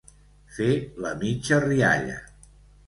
Fer la mitja rialla.